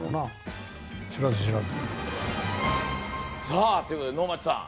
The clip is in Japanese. さあということで能町さん